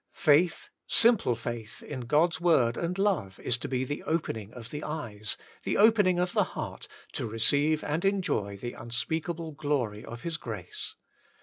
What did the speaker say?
Faith, simple faith in God's word and love, is to be the opening of the eyes, the opening of the heart, to receive and enjoy the unspeakable glory of His grace.